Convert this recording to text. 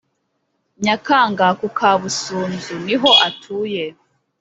Nyakanga ku Kabusunzu niho atuye